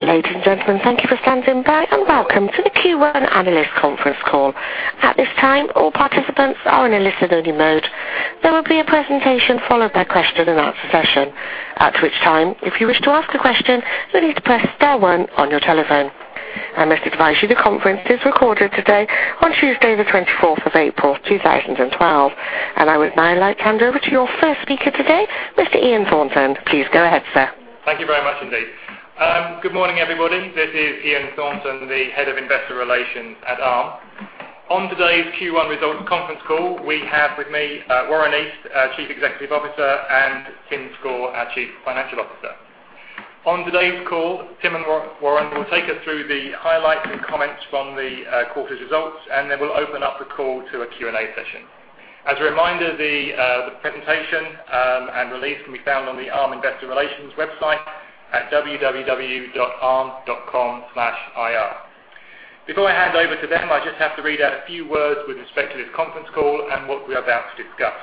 Ladies and gentlemen, thank you for standing by and welcome to the Q1 Analyst Conference call. At this time, all participants are in a listen-only mode. There will be a presentation followed by a question-and-answer session, at which time, if you wish to ask a question, you'll need to press star one on your telephone. I must advise you the conference is recorded today on Tuesday, the 24th of April, 2012. I would now like to hand over to your first speaker today, Mr. Ian Thornton. Please go ahead, sir. Thank you very much indeed. Good morning, everybody. This is Ian Thornton, the Head of Investor Relations at Arm. On today's Q1 Results Conference Call, we have with me Warren East, Chief Executive Officer, and Tim Score, our Chief Financial Officer. On today's call, Tim and Warren will take us through the highlights and comments from the quarter's results, then we'll open up the call to a Q&A session. As a reminder, the presentation and release can be found on the Arm Investor Relations website at www.arm.com/ir. Before I hand over to them, I just have to read out a few words with respect to this conference call and what we're about to discuss.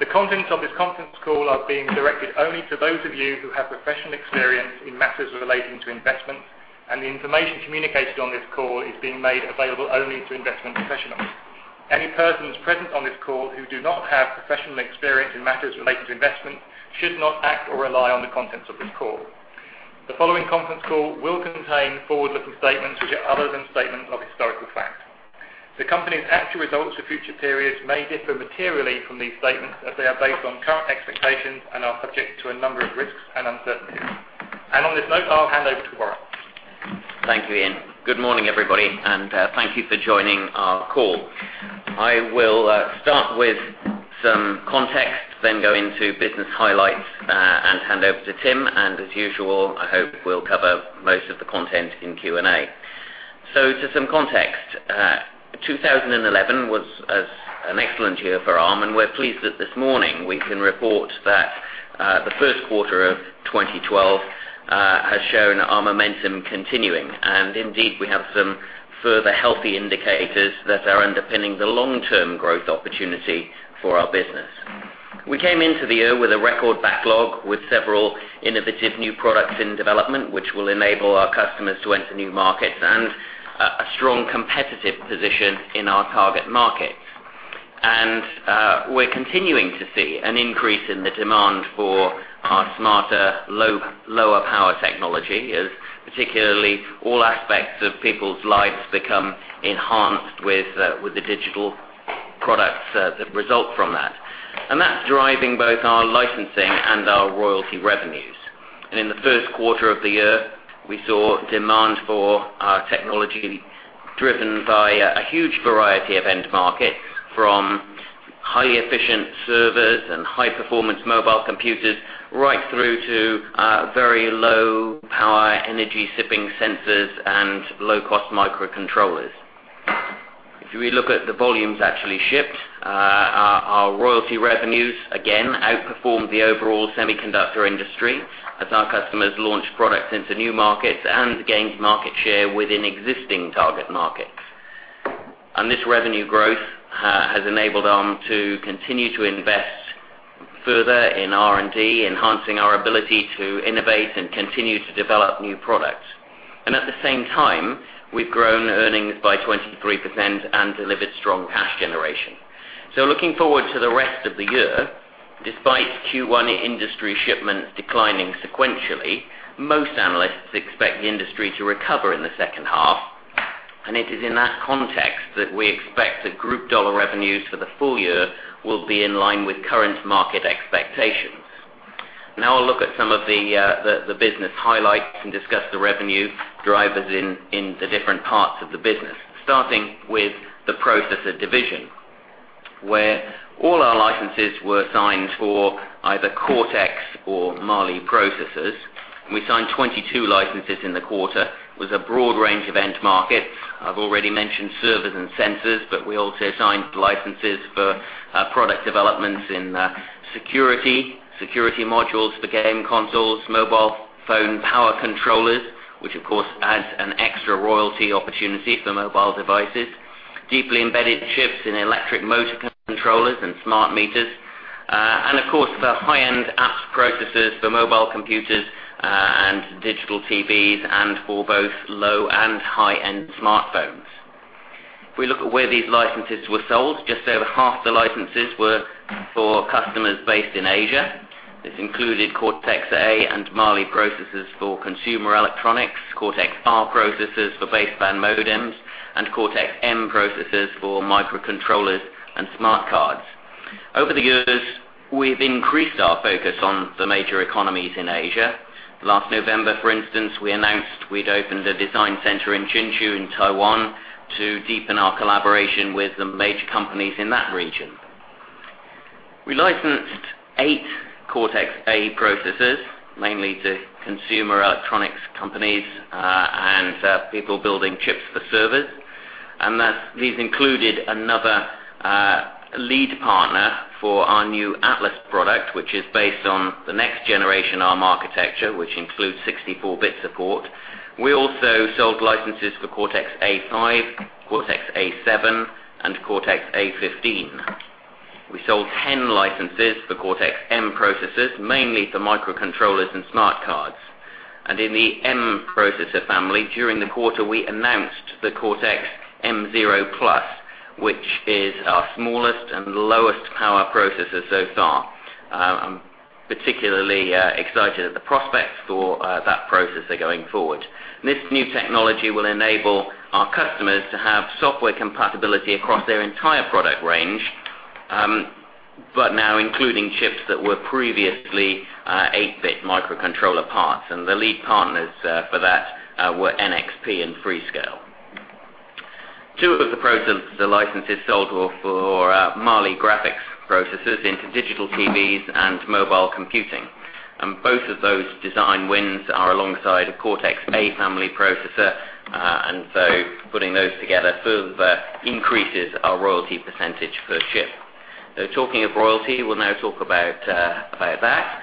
The contents of this conference call are being directed only to those of you who have professional experience in matters relating to investments, and the information communicated on this call is being made available only to investment professionals. Any persons present on this call who do not have professional experience in matters related to investments should not act or rely on the contents of this call. The following conference call will contain forward-looking statements which are other than statements of historical fact. The company's actual results for future periods may differ materially from these statements as they are based on current expectations and are subject to a number of risks and uncertainties. On this note, I'll hand over to Warren. Thank you, Ian. Good morning, everybody, and thank you for joining our call. I will start with some context, then go into business highlights and hand over to Tim. As usual, I hope we'll cover most of the content in Q&A. To some context, 2011 was an excellent year for Arm, and we're pleased that this morning we can report that the first quarter of 2012 has shown our momentum continuing. We have some further healthy indicators that are underpinning the long-term growth opportunity for our business. We came into the year with a record backlog, with several innovative new products in development, which will enable our customers to enter new markets and a strong competitive position in our target markets. We're continuing to see an increase in the demand for our smarter, lower-power technology, particularly as all aspects of people's lives become enhanced with the digital products that result from that. That's driving both our licensing and our royalty revenues. In the first quarter of the year, we saw demand for our technology driven by a huge variety of end markets, from highly efficient servers and high-performance mobile computers right through to very low-power energy shipping sensors and low-cost microcontrollers. If we look at the volumes actually shipped, our royalty revenues again outperformed the overall semiconductor industry as our customers launched products into new markets and gained market share within existing target markets. This revenue growth has enabled Arm to continue to invest further in R&D, enhancing our ability to innovate and continue to develop new products. At the same time, we've grown earnings by 23% and delivered strong cash generation. Looking forward to the rest of the year, despite Q1 industry shipments declining sequentially, most analysts expect the industry to recover in the second half. It is in that context that we expect the group dollar revenues for the full year will be in line with current market expectations. Now, I'll look at some of the business highlights and discuss the revenue drivers in the different parts of the business, starting with the processor division, where all our licenses were signed for either Cortex or Mali processors. We signed 22 licenses in the quarter. It was a broad range of end markets. I've already mentioned servers and sensors, but we also signed licenses for product developments in security, security modules for gaming consoles, mobile phone power controllers, which of course adds an extra royalty opportunity for mobile devices, deeply embedded chips in electric motor controllers and smart meters, and of course the high-end apps processors for mobile computers and digital TVs, and for both low and high-end smartphones. If we look at where these licenses were sold, just over half the licenses were for customers based in Asia. This included Cortex-A and Mali processors for consumer electronics, Cortex-R processors for baseband modems, and Cortex-M processors for microcontrollers and smart cards. Over the years, we've increased our focus on the major economies in Asia. Last November, for instance, we announced we'd opened a design center in Hsinchu in Taiwan to deepen our collaboration with the major companies in that region. We licensed eight Cortex-A processors, mainly to consumer electronics companies and people building chips for servers. These included another lead partner for our new Atlas product, which is based on the next generation Arm architecture, which includes 64-bit support. We also sold licenses for Cortex-A5, Cortex-A7, and Cortex-A15. We sold 10 licenses for Cortex-M processors, mainly for microcontrollers and smart cards. In the M processor family, during the quarter, we announced the Cortex-M0+, which is our smallest and lowest power processor so far. I'm particularly excited at the prospects for that processor going forward. This new technology will enable our customers to have software compatibility across their entire product range, but now including chips that were previously 8-bit microcontroller parts. The lead partners for that were NXP and Freescale. Two of the licenses sold were for Mali graphics processors into digital TVs and mobile computing. Both of those design wins are alongside a Cortex-A family processor. Putting those together further increases our royalty percentage per chip. Talking of royalty, we'll now talk about that.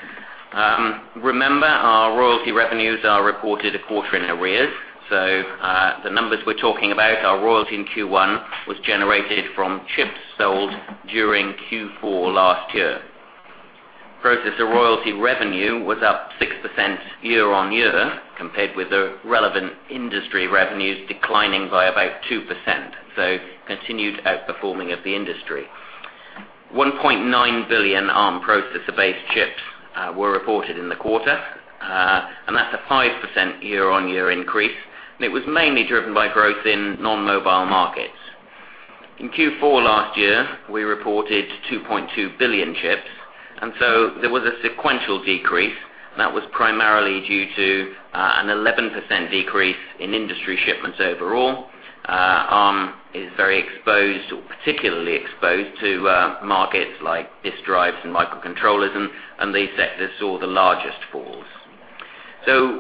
Remember, our royalty revenues are reported a quarter in arrears. The numbers we're talking about, our royalty in Q1 was generated from chips sold during Q4 last year. Processor royalty revenue was up 6% year on year compared with the relevant industry revenues declining by about 2%. Continued outperforming of the industry. 1.9 billion Arm processor-based chips were reported in the quarter, and that's a 5% year-on-year increase. It was mainly driven by growth in non-mobile markets. In Q4 last year, we reported 2.2 billion chips, so there was a sequential decrease. That was primarily due to an 11% decrease in industry shipments overall. Arm is particularly exposed to markets like disk drives and microcontrollers, and these sectors saw the largest falls.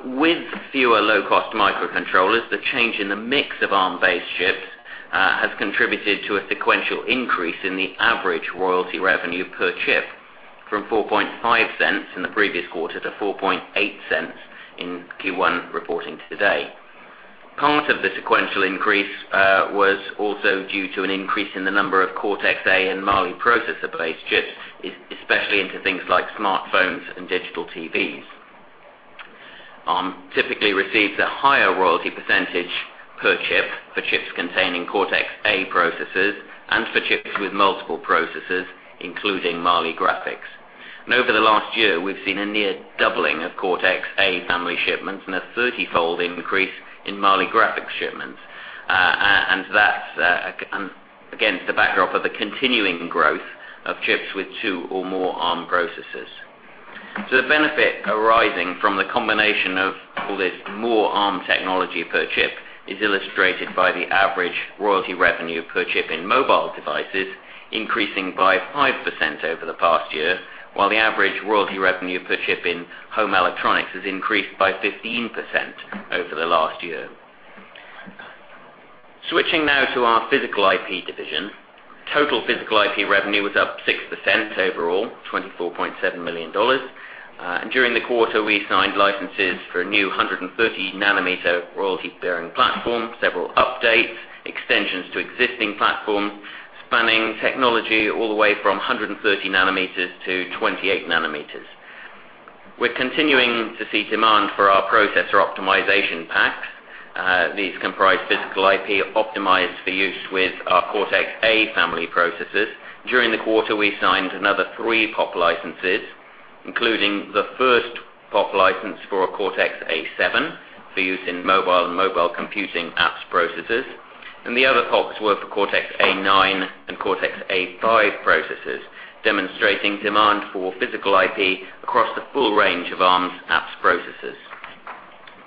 With fewer low-cost microcontrollers, the change in the mix of Arm-based chips has contributed to a sequential increase in the average royalty revenue per chip, from $0.045 in the previous quarter to $0.048 in Q1 reporting today. Part of the sequential increase was also due to an increase in the number of Cortex-A and Mali processor-based chips, especially into things like smartphones and digital TVs. Arm typically receives a higher royalty percentage per chip for chips containing Cortex-A processors and for chips with multiple processors, including Mali graphics. Over the last year, we've seen a near doubling of Cortex-A family shipments and a 30-fold increase in Mali graphics shipments. That's against the backdrop of the continuing growth of chips with two or more Arm processors. The benefit arising from the combination of all this more Arm technology per chip is illustrated by the average royalty revenue per chip in mobile devices increasing by 5% over the past year, while the average royalty revenue per chip in home electronics has increased by 15% over the last year. Switching now to our physical IP division, total physical IP revenue was up 6% overall, $24.7 million. During the quarter, we signed licenses for a new 130 nm royalty-bearing platform, several updates, and extensions to existing platforms, spanning technology all the way from 130 nm to 28 nm. We're continuing to see demand for our processor optimization packs. These comprise physical IP optimized for use with our Cortex-A family processors. During the quarter, we signed another three POP licenses, including the first POP license for a Cortex-A7 for use in mobile and mobile computing apps processors. The other POPs were for Cortex-A9 and Cortex-A5 processors, demonstrating demand for physical IP across the full range of Arm's apps processors.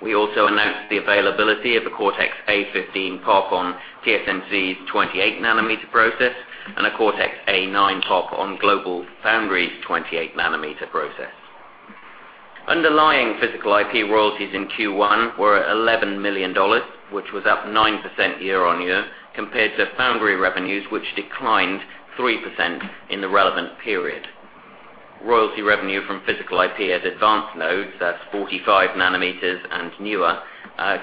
We also announced the availability of a Cortex-A15 POP on TSMC's 28 nm process and a Cortex-A9 POP on GlobalFoundries' 28 nm process. Underlying physical IP royalties in Q1 were at $11 million, which was up 9% year on year, compared to foundry revenues, which declined 3% in the relevant period. Royalty revenue from physical IP at advanced nodes, that's 45 nm and newer,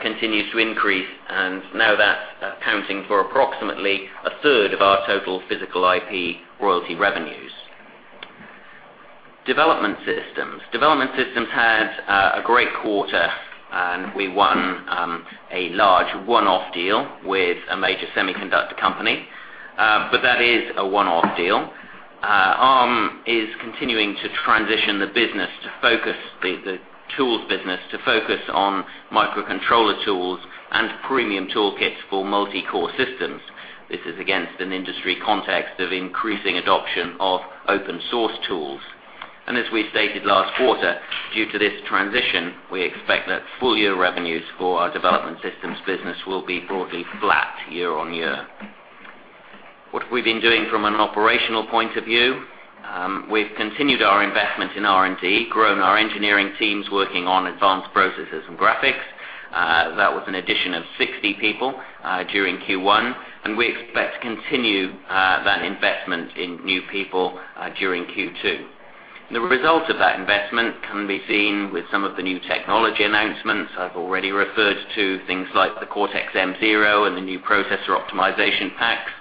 continues to increase, and now that's accounting for approximately 1/3 of our total physical IP royalty revenues. Development systems had a great quarter, and we won a large one-off deal with a major semiconductor company. That is a one-off deal. Arm is continuing to transition the business to focus the tools business to focus on microcontroller tools and premium toolkits for multi-core systems. This is against an industry context of increasing adoption of open-source tools. As we stated last quarter, due to this transition, we expect that full-year revenues for our development systems business will be broadly flat year on year. What have we been doing from an operational point of view? We've continued our investment in R&D, grown our engineering teams working on advanced processors and graphics. That was an addition of 60 people during Q1, and we expect to continue that investment in new people during Q2. The result of that investment can be seen with some of the new technology announcements I've already referred to, things like the Cortex-M0 and the new processor optimization packs.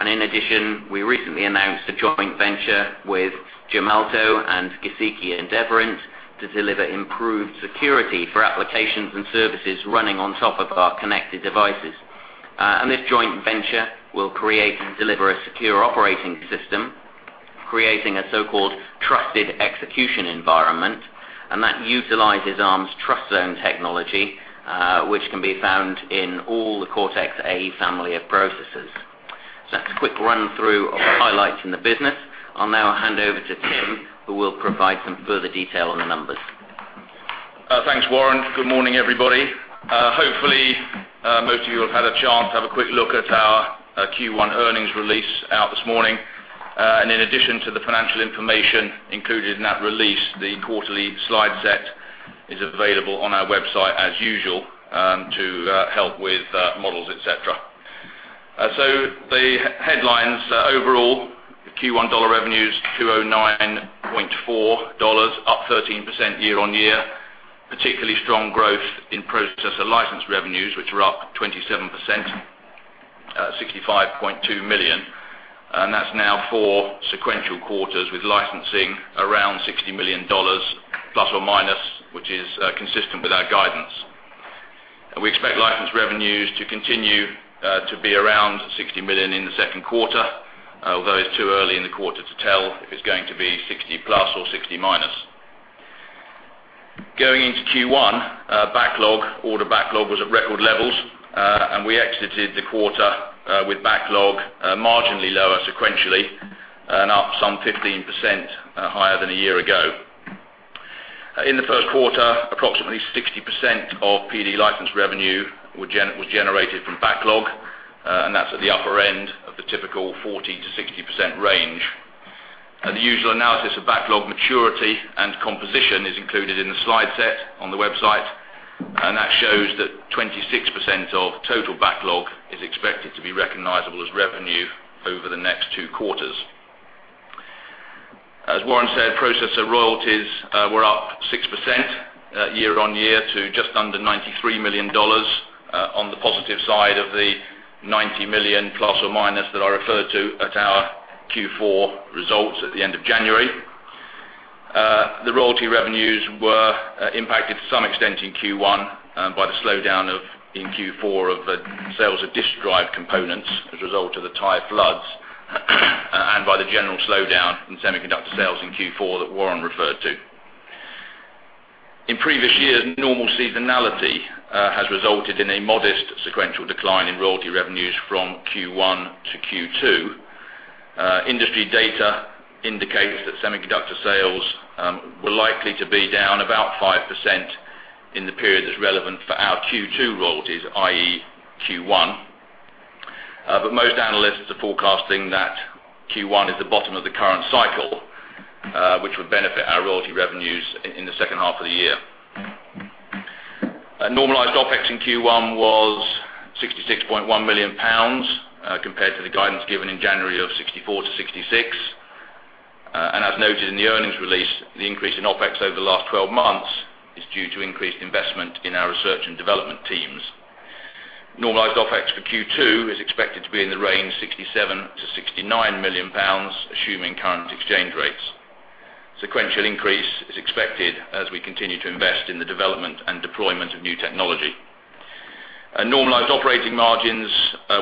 In addition, we recently announced a joint venture with Gemalto and Giesecke & Devrient to deliver improved security for applications and services running on top of our connected devices. This joint venture will create and deliver a secure operating system, creating a so-called Trusted Execution Environment. That utilizes Arm's TrustZone technology, which can be found in all the Cortex-A family of processors. That's a quick run-through of the highlights in the business. I'll now hand over to Tim, who will provide some further detail on the numbers. Thanks, Warren. Good morning, everybody. Hopefully, most of you have had a chance to have a quick look at our Q1 earnings release out this morning. In addition to the financial information included in that release, the quarterly slide set is available on our website as usual to help with models, etc. The headlines overall: Q1 dollar revenues $209.4 million, up 13% year on year. Particularly strong growth in processor license revenues, which are up 27%, $65.2 million. That's now four sequential quarters with licensing around $60± million, which is consistent with our guidance. We expect license revenues to continue to be around $60 million in the second quarter, although it's too early in the quarter to tell if it's going to be $60+ million or $60- million. Going into Q1, order backlog was at record levels. We exited the quarter with backlog marginally lower sequentially, and up some 15% higher than a year ago. In the first quarter, approximately 60% of PD license revenue was generated from backlog. That's at the upper end of the typical 40%-60% range. The usual analysis of backlog maturity and composition is included in the slide set on the website. That shows that 26% of total backlog is expected to be recognizable as revenue over the next two quarters. As Warren said, processor royalties were up 6% year on year to just under $93 million on the positive side of the $90± million that I referred to at our Q4 results at the end of January. The royalty revenues were impacted to some extent in Q1 by the slowdown in Q4 of the sales of disk drive components as a result of the Thai floods, and by the general slowdown in semiconductor sales in Q4 that Warren referred to. In previous years, normal seasonality has resulted in a modest sequential decline in royalty revenues from Q1 to Q2. Industry data indicates that semiconductor sales were likely to be down about 5% in the period that's relevant for our Q2 royalties, i.e., Q1. Most analysts are forecasting that Q1 is the bottom of the current cycle, which would benefit our royalty revenues in the second half of the year. Normalized OpEx in Q1 was 66.1 million pounds compared to the guidance given in January of 64 million-66 million. As noted in the earnings release, the increase in OpEx over the last 12 months is due to increased investment in our research and development teams. Normalized OpEx for Q2 is expected to be in the range of 67 million-69 million pounds, assuming current exchange rates. Sequential increase is expected as we continue to invest in the development and deployment of new technology. Normalized operating margins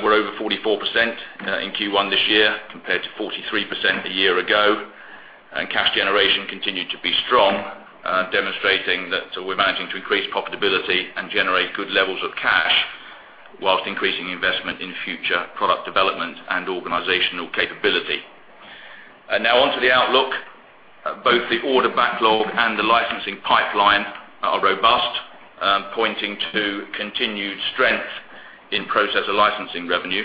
were over 44% in Q1 this year compared to 43% a year ago. Cash generation continued to be strong, demonstrating that we're managing to increase profitability and generate good levels of cash whilst increasing investment in future product development and organizational capability. Now, onto the outlook. Both the order backlog and the licensing pipeline are robust, pointing to continued strength in processor licensing revenue.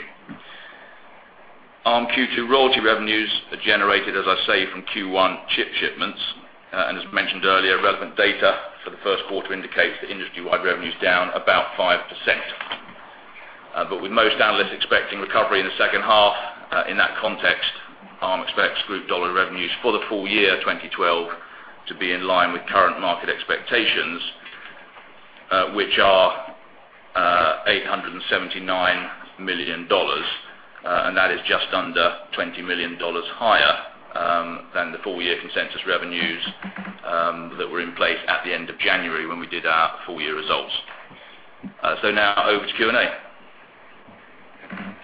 Arm Q2 royalty revenues are generated, as I say, from Q1 chip shipments. As mentioned earlier, relevant data for the first quarter indicates that industry-wide revenue is down about 5%. With most analysts expecting recovery in the second half, in that context, Arm expects group dollar revenues for the full year 2012 to be in line with current market expectations, which are $879 million. That is just under $20 million higher than the full-year consensus revenues that were in place at the end of January when we did our full-year results. Now over to Q&A. Thank you. [inaudible]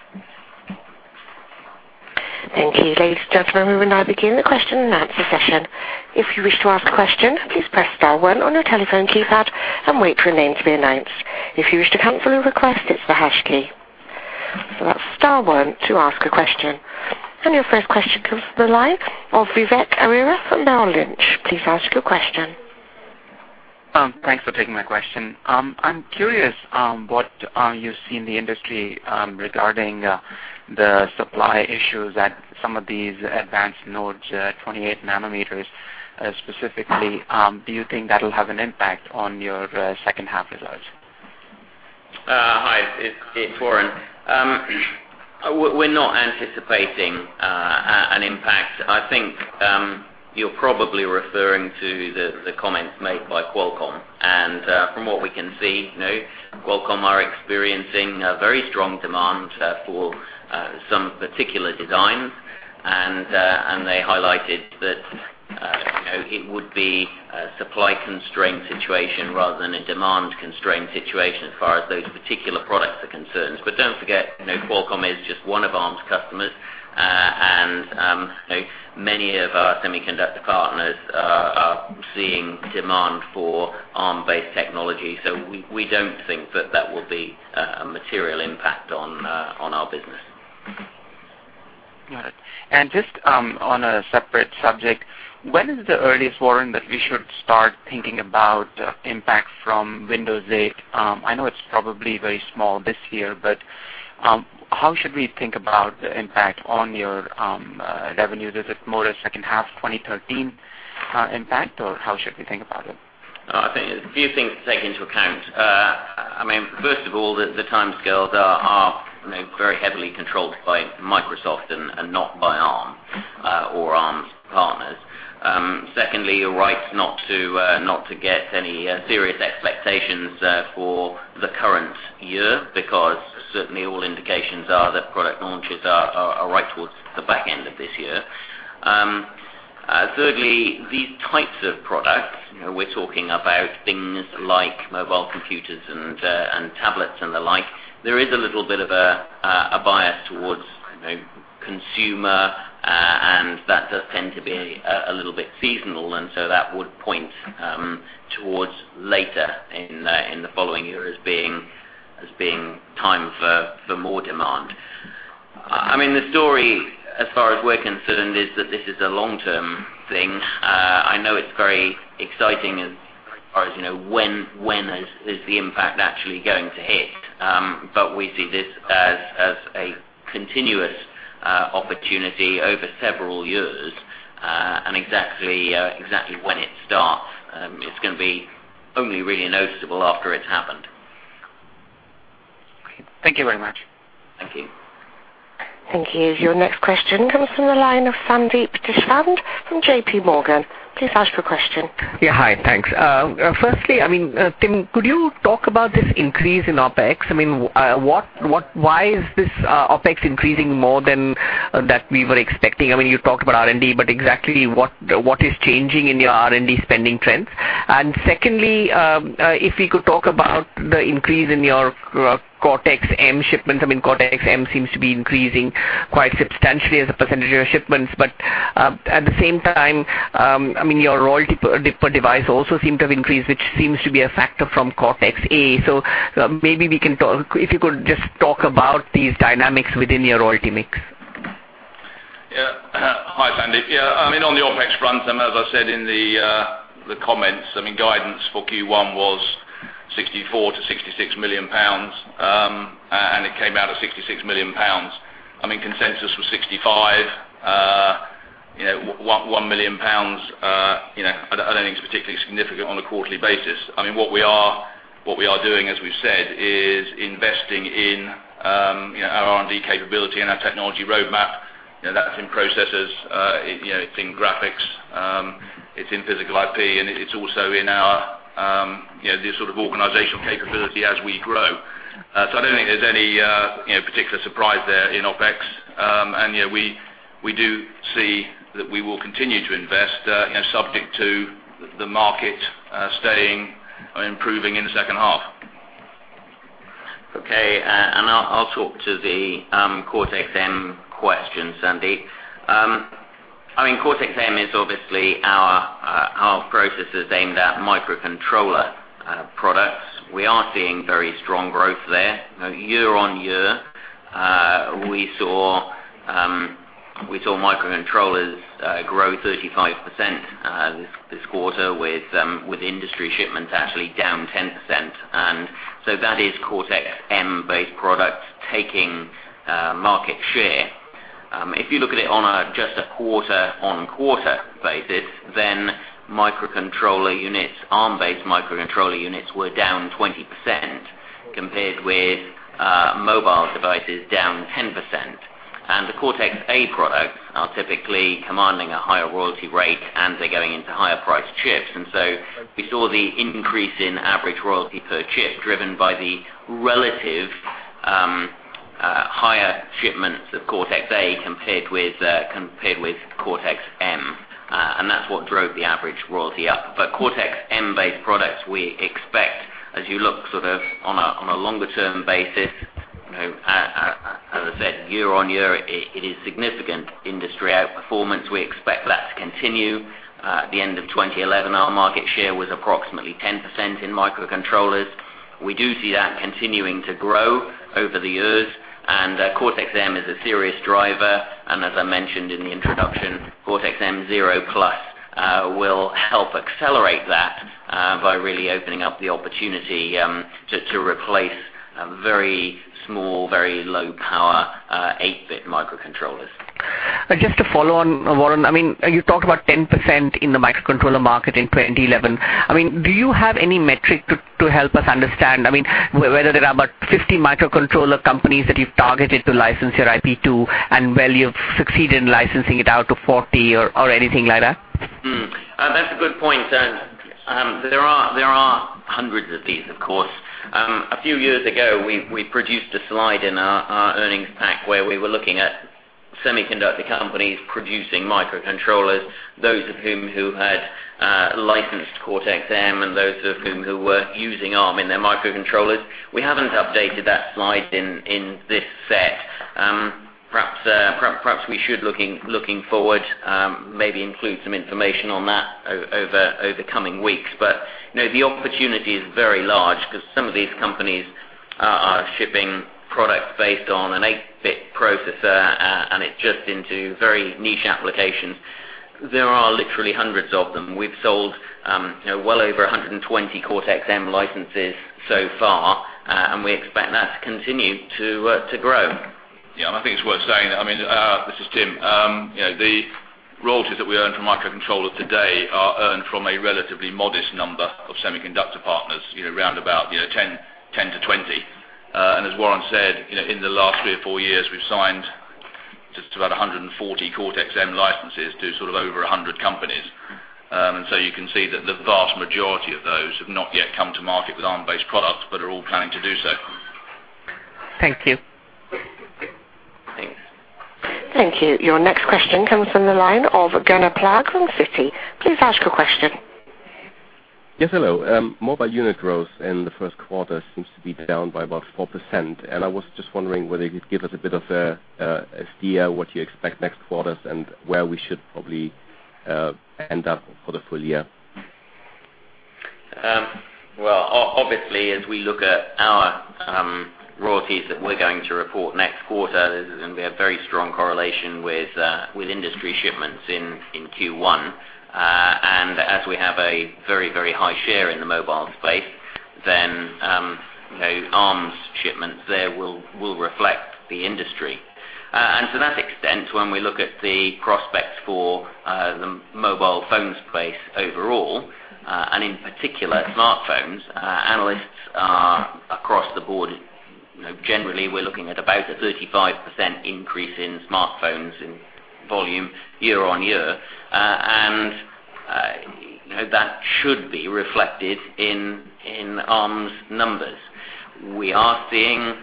We will now begin the question-and-answer session. If you wish to ask a question, please press star one on your telephone keypad and wait for a name to be announced. If you wish to cancel a request, it's the hash key. That's star one to ask a question. Your first question comes to the line of Vivek Arya from Merrill Lynch. Please ask your question. Thanks for taking my question. I'm curious what you see in the industry regarding the supply issues at some of these advanced nodes, 28 nm specifically. Do you think that'll have an impact on your second half results? Hi, it's Warren. We're not anticipating an impact. I think you're probably referring to the comments made by Qualcomm. From what we can see, Qualcomm are experiencing a very strong demand for some particular designs. They highlighted that it would be a supply-constrained situation rather than a demand-constrained situation as far as those particular products are concerned. Don't forget, Qualcomm is just one of Arm's customers. Many of our semiconductor partners are seeing demand for Arm-based technology. We don't think that that will be a material impact on our business. Got it. Just on a separate subject, when is the earliest, Warren, that we should start thinking about impact from Windows 8? I know it's probably very small this year, but how should we think about the impact on your revenues? Is it more a second half 2013 impact, or how should we think about it? I think a few things to take into account. First of all, the timescales are very heavily controlled by Microsoft and not by Arm or Arm partners. Secondly, you're right not to get any serious expectations for the current year because certainly all indications are that product launches are right towards the back end of this year. Thirdly, these types of products, you know, we're talking about things like mobile computers and tablets and the like, there is a little bit of a bias towards consumer, and that does tend to be a little bit seasonal. That would point towards later in the following year as being time for more demand. The story as far as we're concerned is that this is a long-term thing. I know it's very exciting as far as you know when is the impact actually going to hit. We see this as a continuous opportunity over several years. Exactly when it starts, it's going to be only really noticeable after it's happened. Thank you very much. Thank you. Thank you. Your next question comes from the line of Sandeep Deshpande from JPMorgan. Please ask your question. Yeah, hi. Thanks. Firstly, Tim, could you talk about this increase in OpEx? Why is this OpEx increasing more than we were expecting? You talked about R&D, but exactly what is changing in your R&D spending trends? Secondly, if we could talk about the increase in your Cortex-M shipments. Cortex-M seems to be increasing quite substantially as a percentage of your shipments. At the same time, your royalty per device also seemed to have increased, which seems to be a factor from Cortex-A. Maybe we can talk, if you could just talk about these dynamics within your royalty mix. Yeah. Hi, Sandeep. On the OpEx runtime, as I said in the comments, guidance for Q1 was 64 million-66 million pounds. It came out at 66 million pounds. Consensus was 65 million. 1 million pounds, I don't think it's particularly significant on a quarterly basis. What we are doing, as we've said, is investing in our R&D capability and our technology roadmap. That's in processors, in graphics, in physical IP, and also in our organizational capability as we grow. I don't think there's any particular surprise there in OpEx. We do see that we will continue to invest, subject to the market staying or improving in the second half. Okay. I'll talk to the Cortex-M question, Sandeep. Cortex-M is obviously our processors aimed at microcontroller products. We are seeing very strong growth there. Year on year, we saw microcontrollers grow 35% this quarter with industry shipments actually down 10%. That is Cortex-M-based products taking market share. If you look at it on just a quarter-on-quarter basis, microcontroller units, Arm-based microcontroller units were down 20% compared with mobile devices down 10%. The Cortex-A products are typically commanding a higher royalty rate, and they're going into higher-priced chips. We saw the increase in average royalty per chip driven by the relative higher shipments of Cortex-A compared with Cortex-M. That's what drove the average royalty up. Cortex-M-based products, we expect, as you look sort of on a longer-term basis, as I said, year on year, it is significant industry outperformance. We expect that to continue. At the end of 2011, our market share was approximately 10% in microcontrollers. We do see that continuing to grow over the years. Cortex-M is a serious driver. As I mentioned in the introduction, Cortex-M0+ will help accelerate that by really opening up the opportunity to replace very small, very low-power 8-bit microcontrollers. Just to follow on, Warren, you talked about 10% in the microcontroller market in 2011. Do you have any metric to help us understand whether there are about 50 microcontroller companies that you've targeted to license your IP to and whether you've succeeded in licensing it out to 40 or anything like that? That's a good point. There are hundreds of these, of course. A few years ago, we produced a slide in our earnings pack where we were looking at semiconductor companies producing microcontrollers, those of whom who had licensed Cortex-M and those of whom who were using Arm in their microcontrollers. We haven't updated that slide in this set. Perhaps we should, looking forward, maybe include some information on that over the coming weeks. You know, the opportunity is very large because some of these companies are shipping products based on an 8-bit processor, and it's just into very niche applications. There are literally hundreds of them. We've sold well over 120 Cortex-M licenses so far, and we expect that to continue to grow. Yeah, and I think it's worth saying that, I mean, this is Tim. You know, the royalties that we earn from microcontrollers today are earned from a relatively modest number of semiconductor partners, you know, around about 10-20. As Warren said, in the last three or four years, we've signed just about 140 Cortex-M licenses to over 100 companies. You can see that the vast majority of those have not yet come to market with Arm-based products but are all planning to do so. Thank you. Thanks. Thank you. Your next question comes from the line of Gunnar Plagge from Citi. Please ask your question. Yes, hello. Mobile unit growth in the first quarter seems to be down by about 4%. I was just wondering whether you could give us a bit of an idea of what you expect next quarter and where we should probably end up for the full year. Obviously, as we look at our royalties that we're going to report next quarter, there's going to be a very strong correlation with industry shipments in Q1. As we have a very, very high share in the mobile space, then Arm's shipments there will reflect the industry. To that extent, when we look at the prospects for the mobile phone space overall, and in particular smartphones, analysts are across the board, you know, generally, we're looking at about a 35% increase in smartphones in volume year on year. That should be reflected in Arm's numbers. We are seeing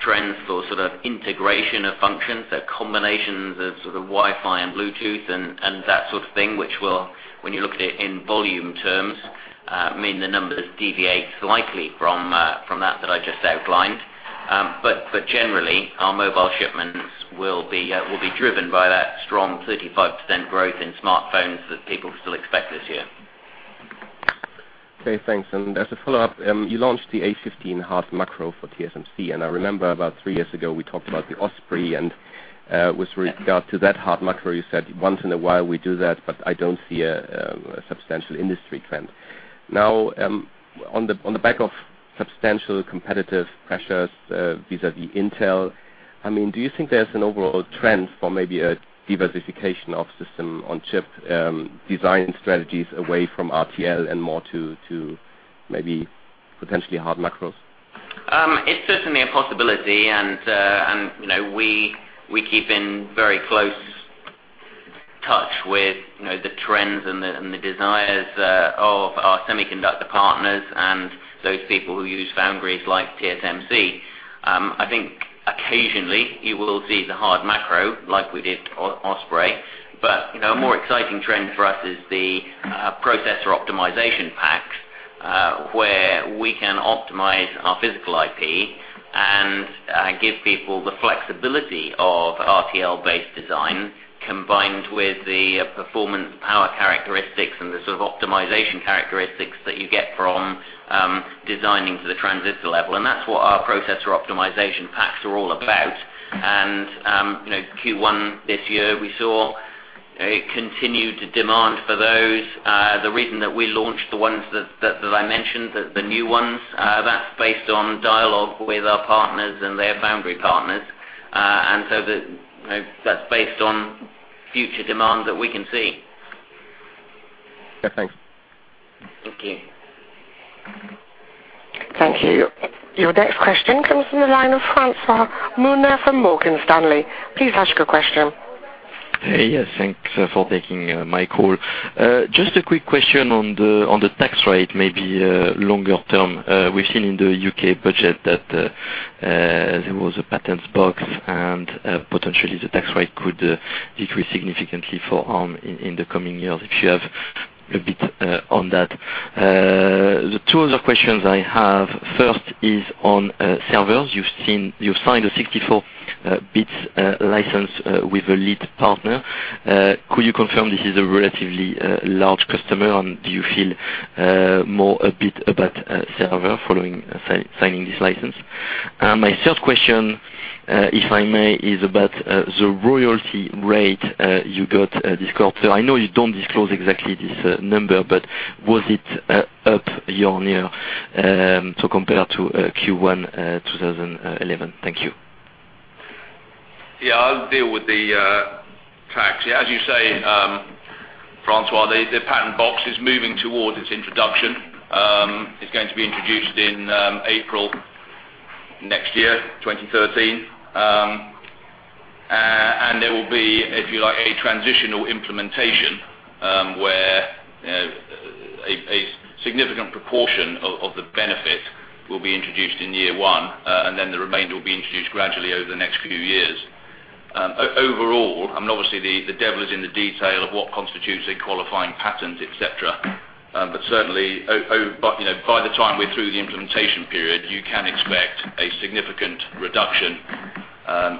trends for sort of integration of functions, so combinations of sort of Wi-Fi and Bluetooth and that sort of thing, which will, when you look at it in volume terms, mean the numbers deviate slightly from that that I just outlined. Generally, our mobile shipments will be driven by that strong 35% growth in smartphones that people still expect this year. Okay, thanks. As a follow-up, you launched the A15 hard macro for TSMC. I remember about three years ago, we talked about the Osprey and with regard to that hard macro, you said, "Once in a while, we do that, but I don't see a substantial industry trend." Now, on the back of substantial competitive pressure vis-à-vis Intel, do you think there's an overall trend for maybe a diversification of system-on-chip design strategies away from RTL and more to maybe potentially hard macros? It's certainly a possibility. You know, we keep in very close touch with the trends and the desires of our semiconductor partners and those people who use foundries like TSMC. I think occasionally you will see the hard macro like we did Osprey. A more exciting trend for us is the processor optimization packs where we can optimize our physical IP and give people the flexibility of RTL-based design combined with the performance power characteristics and the sort of optimization characteristics that you get from designing to the transistor level. That's what our processor optimization packs are all about. In Q1 this year, we saw continued demand for those. The reason that we launched the ones that I mentioned, the new ones, is based on dialogue with our partners and their foundry partners. That's based on future demand that we can see. Okay, thanks. Thank you. Thank you. Your next question comes from the line of Francois Meunier from Morgan Stanley. Please ask your question. Yes, thanks for taking my call. Just a quick question on the tax rate, maybe longer term. We've seen in the U.K. budget that there was a Patent Box and potentially the tax rate could decrease significantly for Arm in the coming years. If you have a bit on that. The two other questions I have, first is on servers. You signed a 64-bit license with a lead partner. Could you confirm this is a relatively large customer? Do you feel more upbeat about server following signing this license? My third question, if I may, is about the royalty rate you got this quarter. I know you don't disclose exactly this number, but was it up year on year to compare to Q1 2011? Thank you. Yeah, I'll deal with the tax. As you say, Francois, the Patent Box is moving towards its introduction. It's going to be introduced in April next year, 2013. There will be, if you like, a transitional implementation where a significant proportion of the benefit will be introduced in year one, and the remainder will be introduced gradually over the next few years. Overall, obviously, the devil is in the detail of what constitutes a qualifying patent, etc. Certainly, by the time we're through the implementation period, you can expect a significant reduction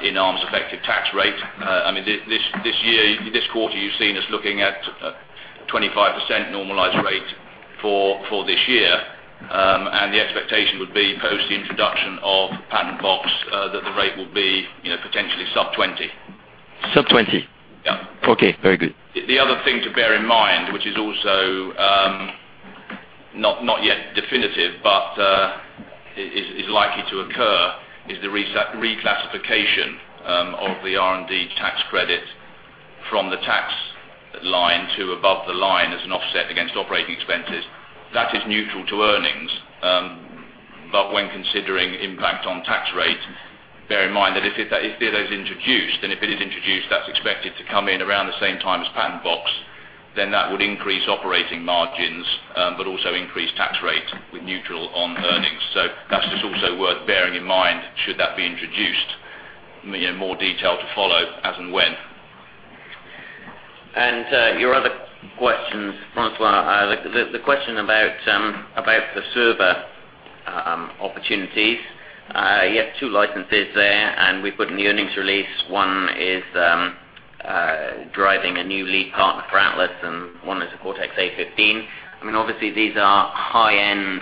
in Arm's effective tax rate. This year, this quarter, you've seen us looking at a 25% normalized rate for this year, and the expectation would be post the introduction of Patent Box that the rate will be potentially sub-20%. Sub-20%? Yeah. Okay, very good. The other thing to bear in mind, which is also not yet definitive but is likely to occur, is the reclassification of the R&D tax credit from the tax line to above the line as an offset against operating expenses. That is neutral to earnings. When considering impact on tax rate, bear in mind that if it is introduced, and if it is introduced, that's expected to come in around the same time as Patent Box, that would increase operating margins but also increase tax rate with neutral on earnings. That's just also worth bearing in mind should that be introduced. More detail to follow as and when. Your other questions, Francois, the question about the server opportunities. You have two licenses there, and we put in the earnings release. One is driving a new lead partner for Atlas, and one is a Cortex-A15. Obviously, these are high-end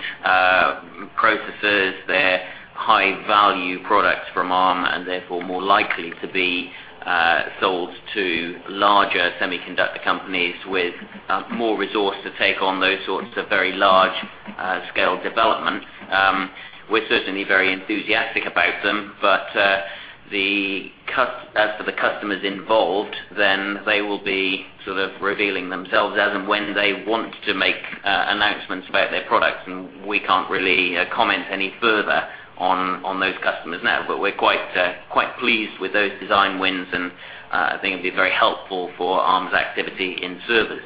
processors. They're high-value products from Arm and therefore more likely to be sold to larger semiconductor companies with more resource to take on those sorts of very large-scale development. We're certainly very enthusiastic about them. As for the customers involved, they will be sort of revealing themselves as and when they want to make announcements about their products. We can't really comment any further on those customers now. We're quite pleased with those design wins. I think it would be very helpful for Arm's activity in servers.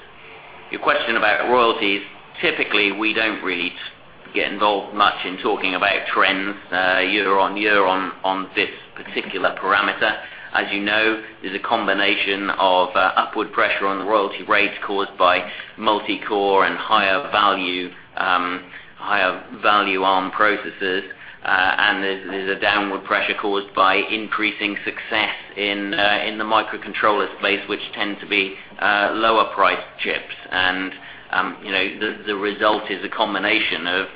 Your question about royalties, typically, we don't really get involved much in talking about trends year on year on this particular parameter. As you know, there's a combination of upward pressure on the royalty rates caused by multi-core and higher-value Arm processors. There's a downward pressure caused by increasing success in the microcontrollers space, which tend to be lower-priced chips. The result is a combination of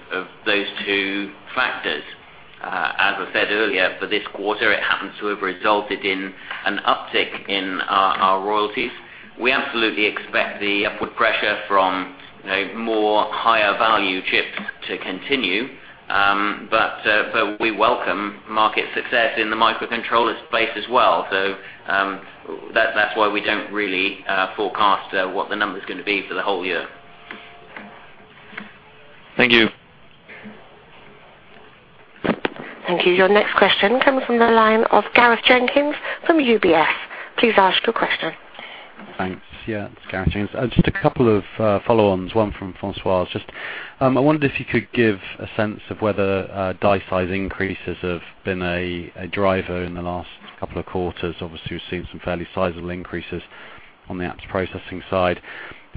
those two factors. As I said earlier, for this quarter, it happens to have resulted in an uptick in our royalties. We absolutely expect the upward pressure from more higher-value chips to continue. We welcome market success in the microcontrollers space as well. That's why we don't really forecast what the number is going to be for the whole year. Thank you. Thank you. Your next question comes from the line of Gareth Jenkins from UBS. Please ask your question. Thanks. Yeah, Gareth Jenkins. Just a couple of follow-ons. One from Francois. I wondered if you could give a sense of whether die size increases have been a driver in the last couple of quarters. Obviously, we've seen some fairly sizable increases on the apps processing side.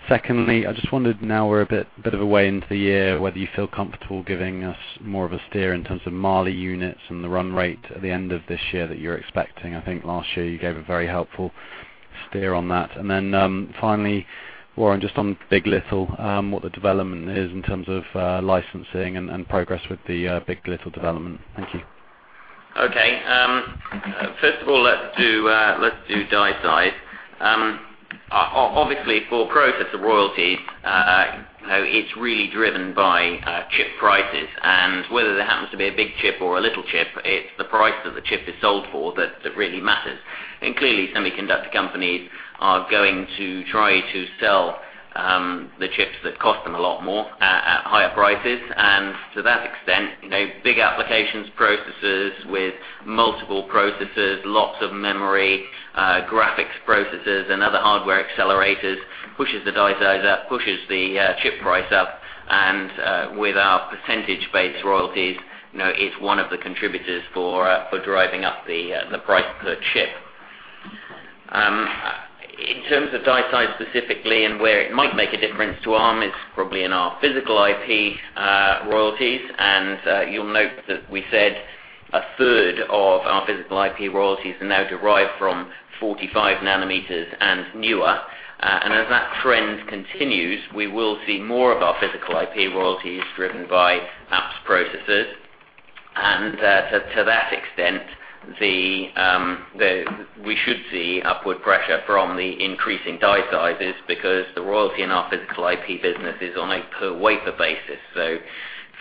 Secondly, I just wondered now we're a bit of a way into the year, whether you feel comfortable giving us more of a steer in terms of Mali units and the run rate at the end of this year that you're expecting. I think last year you gave a very helpful steer on that. Finally, Warren, just on big. LITTLE, what the development is in terms of licensing and progress with the big. LITTLE development. Thank you. Okay. First of all, let's do die size. Obviously, for processor royalties, it's really driven by chip prices. Whether there happens to be a big chip or a little chip, it's the price that the chip is sold for that really matters. Clearly, semiconductor companies are going to try to sell the chips that cost them a lot more at higher prices. To that extent, big applications processors with multiple processors, lots of memory, graphics processors, and other hardware accelerators pushes the die size up, pushes the chip price up. With our percentage-based royalties, it's one of the contributors for driving up the price per chip. In terms of die size specifically and where it might make a difference to Arm, it's probably in our physical IP royalties. You'll note that we said 1/3 of our physical IP royalties are now derived from 45 nm and newer. As that trend continues, we will see more of our physical IP royalties driven by apps processors. To that extent, we should see upward pressure from the increasing die sizes because the royalty in our physical IP business is on a per-wafer basis.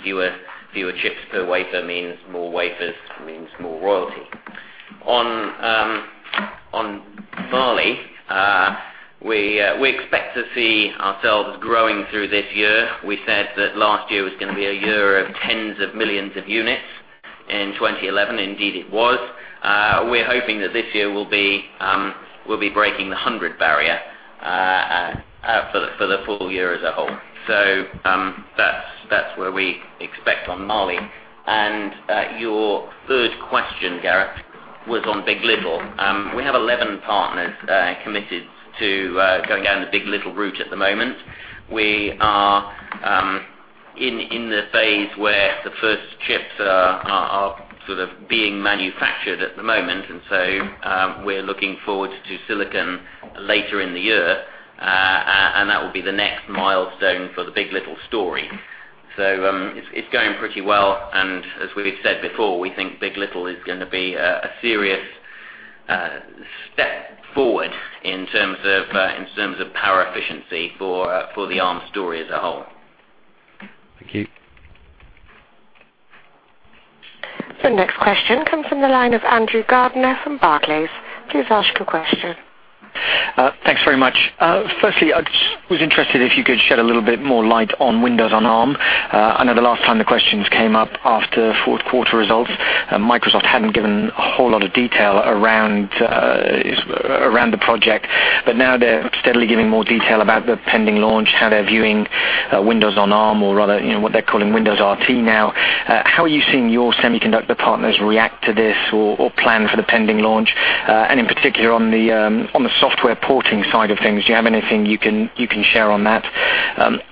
Fewer chips per wafer means more wafers means more royalty. On Mali, we expect to see ourselves growing through this year. We said that last year was going to be a year of tens of millions of units in 2011. Indeed, it was. We're hoping that this year we'll be breaking the 100 million barrier for the full year as a whole. That's where we expect on Mali. Your third question, Gareth, was on big. LITTLE. We have 11 partners committed to going down the big. LITTLE route at the moment. We are in the phase where the first chips are sort of being manufactured at the moment. We're looking forward to silicon later in the year. That will be the next milestone for the big. LITTLE story. It's going pretty well. As we've said before, we think big. LITTLE is going to be a serious step forward in terms of power efficiency for the Arm story as a whole. Thank you. The next question comes from the line of Andrew Gardiner from Barclays. Please ask your question. Thanks very much. Firstly, I was interested if you could shed a little bit more light on Windows on Arm. I know the last time the questions came up after fourth quarter results, Microsoft hadn't given a whole lot of detail around the project. Now they're steadily giving more detail about the pending launch, how they're viewing Windows on Arm or rather what they're calling Windows RT now. How are you seeing your semiconductor partners react to this or plan for the pending launch? In particular, on the software porting side of things, do you have anything you can share on that?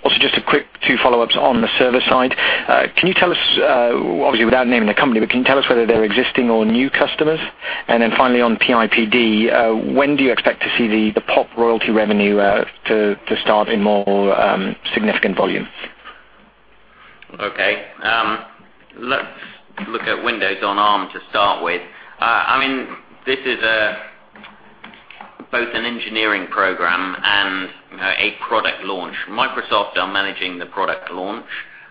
Also, just a quick two follow-ups on the server side. Can you tell us, obviously without naming the company, whether they're existing or new customers? Finally, on PIPD, when do you expect to see the POP royalty revenue to start in more significant volume? Okay. Let's look at Windows on Arm to start with. This is both an engineering program and a product launch. Microsoft are managing the product launch,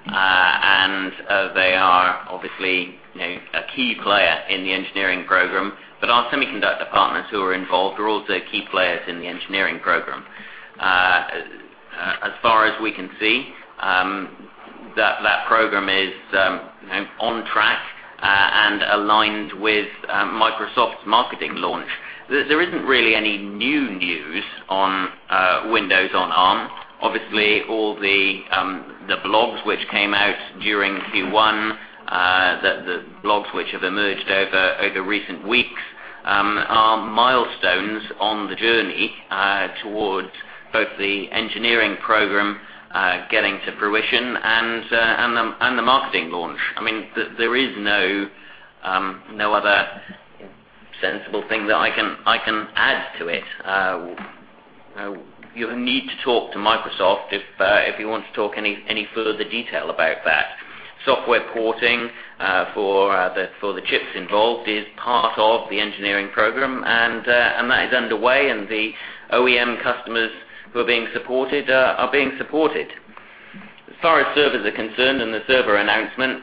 and they are obviously a key player in the engineering program. Our semiconductor partners who are involved are also key players in the engineering program. As far as we can see, that program is on track and aligned with Microsoft's marketing launch. There isn't really any new news on Windows on Arm. All the blogs which came out during Q1, the blogs which have emerged over recent weeks, are milestones on the journey towards both the engineering program getting to fruition and the marketing launch. There is no other sensible thing that I can add to it. You need to talk to Microsoft if you want to talk any further detail about that. Software porting for the chips involved is part of the engineering program, and that is underway. The OEM customers who are being supported are being supported. As far as servers are concerned and the server announcement,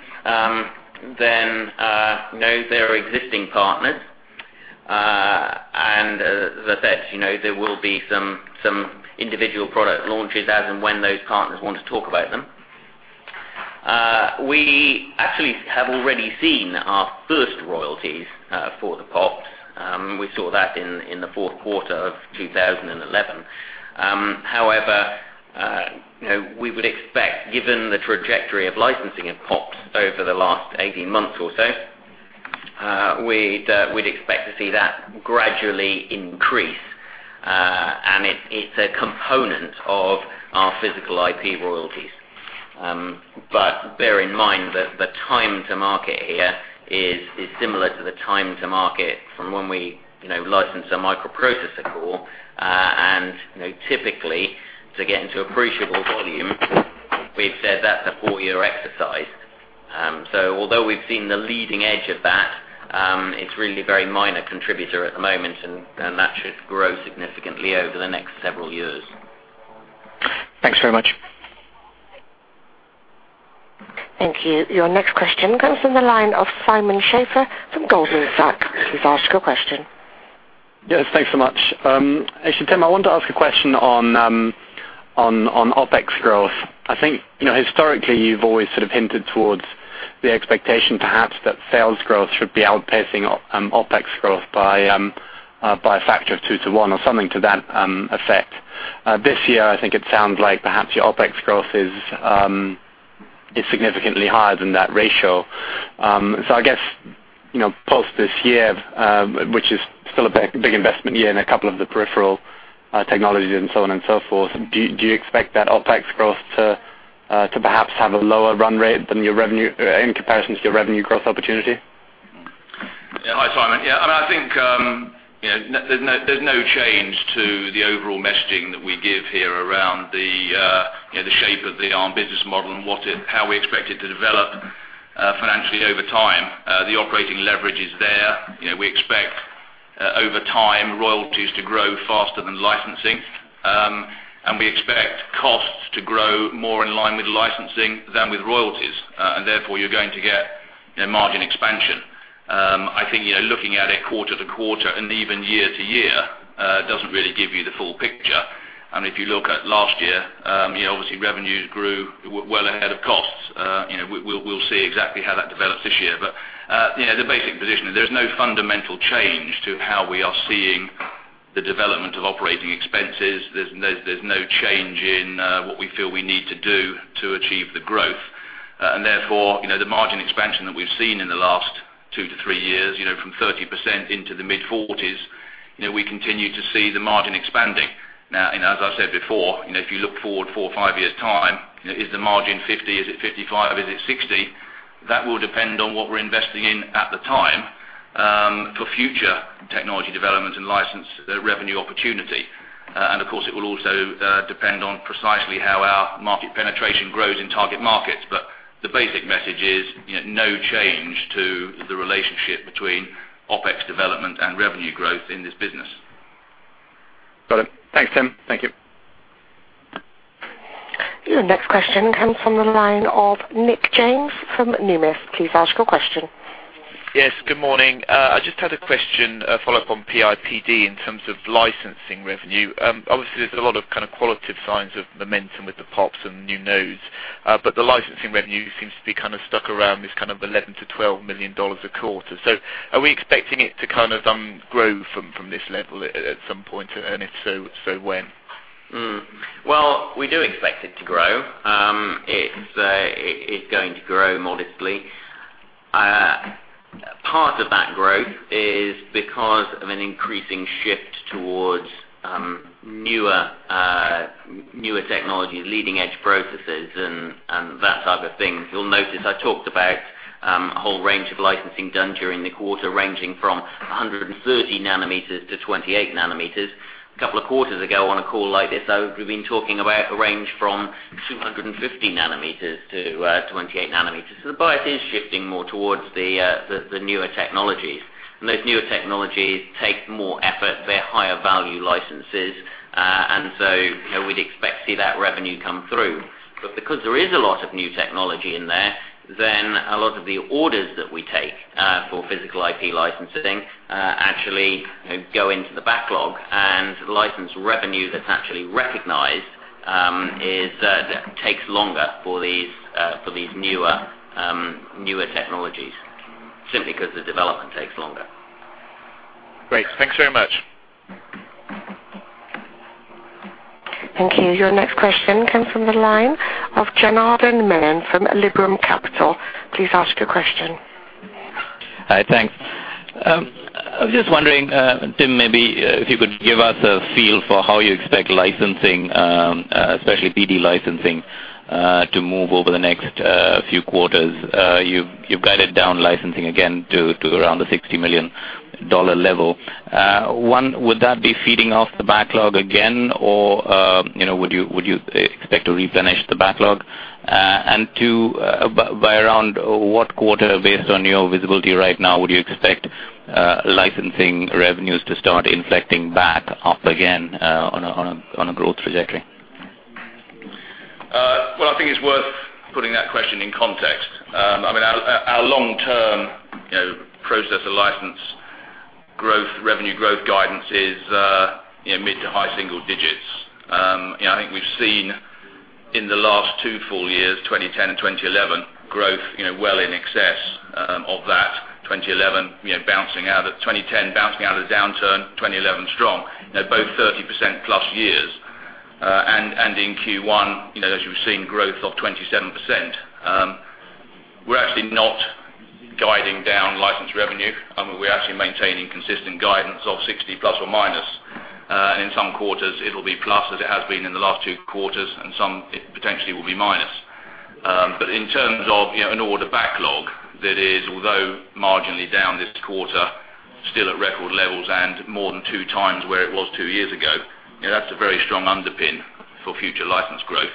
there are existing partners. As I said, there will be some individual product launches as and when those partners want to talk about them. We actually have already seen our first royalties for the POPs. We saw that in the fourth quarter of 2011. We would expect, given the trajectory of licensing of POPs over the last 18 months or so, to see that gradually increase. It's a component of our physical IP royalties. Bear in mind that the time to market here is similar to the time to market from when we license a microprocessor core. Typically, to get into appreciable volume, we've said that's a four-year exercise. Although we've seen the leading edge of that, it's really a very minor contributor at the moment. That should grow significantly over the next several years. Thanks very much. Thank you. Your next question comes from the line of Simon Schafer from Goldman Sachs. Please ask your question. Yes, thanks so much. Actually, Tim, I wanted to ask a question on OpEx growth. I think, you know, historically, you've always sort of hinted towards the expectation perhaps that sales growth should be outpacing OpEx growth by a factor of two to one or something to that effect. This year, I think it sounds like perhaps your OpEx growth is significantly higher than that ratio. I guess, you know, post this year, which is still a big investment year in a couple of the peripheral technologies and so on and so forth, do you expect that OpEx growth to perhaps have a lower run rate in comparison to your revenue growth opportunity? Yeah, hi Simon. I think there's no change to the overall messaging that we give here around the shape of the Arm business model and how we expect it to develop financially over time. The operating leverage is there. We expect over time royalties to grow faster than licensing. We expect costs to grow more in line with licensing than with royalties. Therefore, you're going to get margin expansion. Looking at it quarter to quarter and even year to year doesn't really give you the full picture. If you look at last year, obviously, revenues grew well ahead of costs. We'll see exactly how that develops this year. The basic position is there's no fundamental change to how we are seeing the development of operating expenses. There's no change in what we feel we need to do to achieve the growth. Therefore, the margin expansion that we've seen in the last two to three years, from 30% into the mid-40%, we continue to see the margin expanding. As I said before, if you look forward four or five years' time, is the margin 50%? Is it 55%? Is it 60%? That will depend on what we're investing in at the time for future technology development and license revenue opportunity. Of course, it will also depend on precisely how our market penetration grows in target markets. The basic message is no change to the relationship between OpEx development and revenue growth in this business. Got it. Thanks, Tim. Thank you. Your next question comes from the line of Nick James from Numis. Please ask your question. Yes, good morning. I just had a question follow-up on PIPD in terms of licensing revenue. Obviously, there's a lot of kind of qualitative signs of momentum with the POPs and new nodes. The licensing revenue seems to be kind of stuck around this kind of $11 million-$12 million a quarter. Are we expecting it to kind of grow from this level at some point? If so, when? We do expect it to grow. It's going to grow modestly. Part of that growth is because of an increasing shift towards newer technologies, leading-edge processors, and that type of thing. You'll notice I talked about a whole range of licensing done during the quarter, ranging from 130 nm to 28 nm. A couple of quarters ago on a call like this, I would have been talking about a range from 250 nm to 28 nm. The bias is shifting more towards the newer technologies. Those newer technologies take more effort. They're higher-value licenses, and we'd expect to see that revenue come through. Because there is a lot of new technology in there, a lot of the orders that we take for physical IP licensing actually go into the backlog. The license revenue that's actually recognized takes longer for these newer technologies simply because the development takes longer. Great. Thanks very much. Thank you. Your next question comes from the line of Janardan Menon from Liberum Capital. Please ask your question. Hi, thanks. I was just wondering, Tim, maybe if you could give us a feel for how you expect licensing, especially BD licensing, to move over the next few quarters. You've guided down licensing again to around the $60 million level. One, would that be feeding off the backlog again? Would you expect to replenish the backlog? And two, by around what quarter, based on your visibility right now, would you expect licensing revenues to start inflecting back up again on a growth trajectory? I think it's worth putting that question in context. I mean, our long-term processor license revenue growth guidance is mid to high single digits. I think we've seen in the last two full years, 2010 and 2011, growth well in excess of that. 2011, bouncing out of 2010, bouncing out of the downturn. 2011, strong. Both 30%+ years. In Q1, as you've seen, growth of 27%. We're actually not guiding down license revenue. We're actually maintaining consistent guidance of $60± million. In some quarters, it'll be plus as it has been in the last two quarters. In some, it potentially will be minus. In terms of an order backlog that is, although marginally down this quarter, still at record levels and more than 2x where it was two years ago, that's a very strong underpin for future license growth.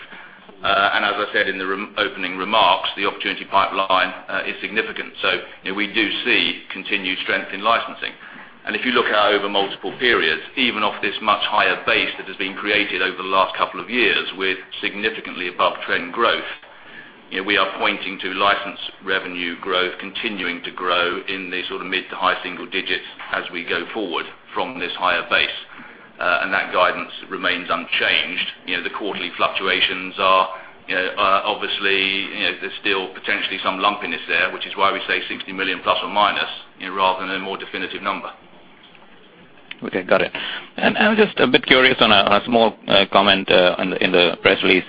As I said in the opening remarks, the opportunity pipeline is significant. We do see continued strength in licensing. If you look at over multiple periods, even off this much higher base that has been created over the last couple of years with significantly above-trend growth, we are pointing to license revenue growth continuing to grow in the sort of mid to high single digits as we go forward from this higher base. That guidance remains unchanged. The quarterly fluctuations are obviously, there's still potentially some lumpiness there, which is why we say $60± million rather than a more definitive number. Okay, got it. I'm just a bit curious on a small comment in the press release,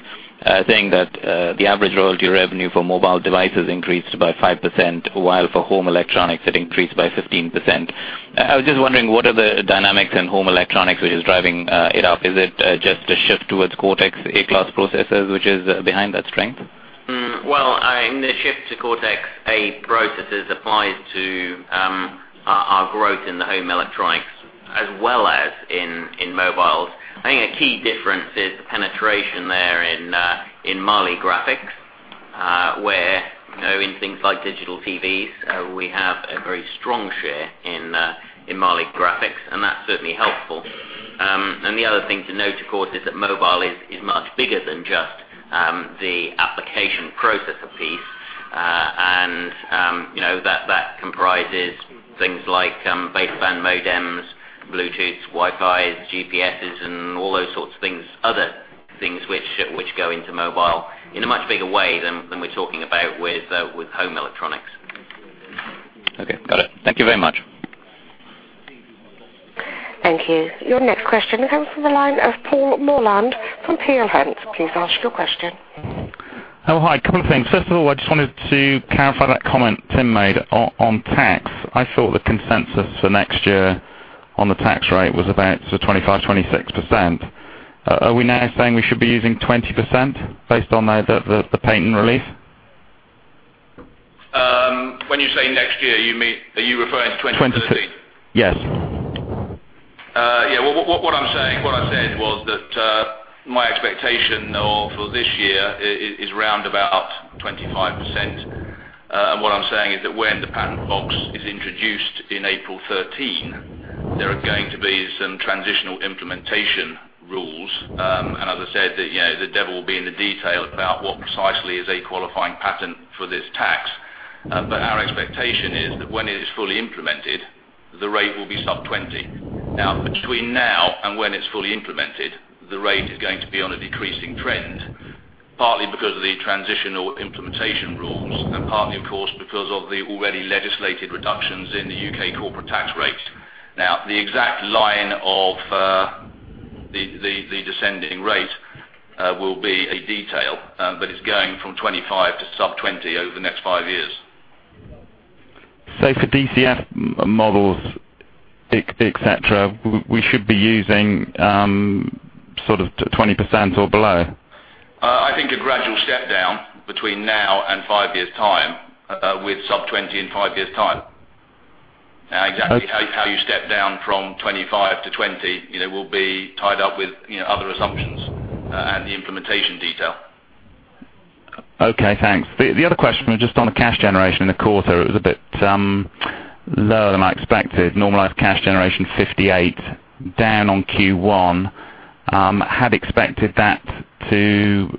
saying that the average royalty revenue for mobile devices increased by 5%, while for home electronics, it increased by 15%. I was just wondering, what are the dynamics in home electronics which is driving it up? Is it just a shift towards Cortex-A class processors which is behind that strength? The shift to Cortex-A processors applies to our growth in the home electronics as well as in mobiles. A key difference is the penetration there in Mali graphics, where in things like digital TVs, we have a very strong share in Mali graphics. That's certainly helpful. The other thing to note, of course, is that mobile is much bigger than just the application processor piece. That comprises things like baseband modems, Bluetooth, Wi-Fi, GPSes, and all those sorts of things, other things which go into mobile in a much bigger way than we're talking about with home electronics. Okay, got it. Thank you very much. Thank you. Your next question comes from the line of Paul Morland from Peel Hunt. Please ask your question. Oh, hi. A couple of things. First of all, I just wanted to clarify that comment Tim made on tax. I thought the consensus for next year on the tax rate was about 25%, 26%. Are we now saying we should be using 20% based on the patent relief? When you say next year, are you referring to 2013? Yes. What I'm saying, what I said was that my expectation for this year is around about 25%. What I'm saying is that when the Patent Box is introduced in April 2013, there are going to be some transitional implementation rules. As I said, the devil will be in the detail about what precisely is a qualifying patent for this tax. Our expectation is that when it is fully implemented, the rate will be sub-20%. Now, between now and when it's fully implemented, the rate is going to be on a decreasing trend, partly because of the transitional implementation rules and partly, of course, because of the already legislated reductions in the U.K. corporate tax rates. The exact line of the descending rate will be a detail, but it's going from 25% to sub-20% over the next five years. For [DCF] models, etc., we should be using sort of 20% or below? I think a gradual step down between now and five years' time with sub-20% in five years' time. Exactly how you step down from 25% to 20% will be tied up with other assumptions and the implementation detail. Okay, thanks. The other question was just on the cash generation in a quarter. It was a bit lower than I expected. Normalized cash generation 58 million, down on Q1. I had expected that to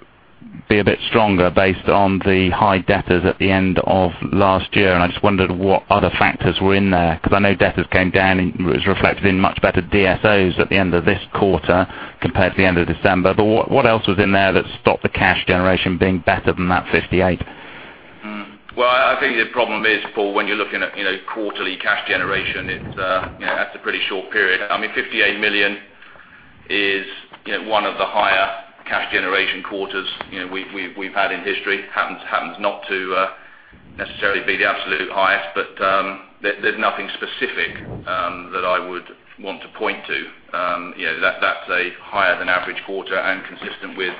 be a bit stronger based on the high debtors at the end of last year. I just wondered what other factors were in there because I know debtors came down, and it was reflected in much better DSOs at the end of this quarter compared to the end of December. What else was in there that stopped the cash generation being better than that 58 million? I think the problem is, Paul, when you're looking at quarterly cash generation, it's a pretty short period. I mean, 58 million is one of the higher cash generation quarters we've had in history. It happens not to necessarily be the absolute highest, but there's nothing specific that I would want to point to. That's a higher than average quarter and consistent with